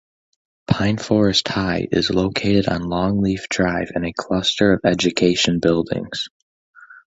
Pine Forest High is located on Longleaf Drive in a cluster of education buildings.